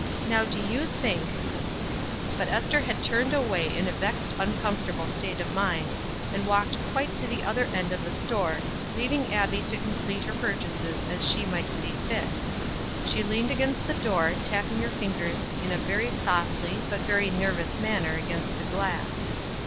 Now do you think " But Ester had turned away in a vexed uncomfortable state of mind, and walked quite to the other end of the store, leaving Abbie to complete her purchases as she might see fit. She leaned against the door, tapping her fingers in a very softly, but very nervous manner against the glass.